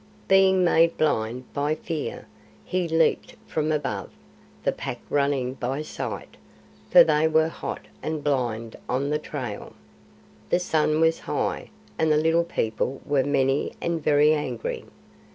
Being made blind by fear, he leaped from above, the Pack running by sight, for they were hot and blind on the trail. The sun was high, and the Little People were many and very angry.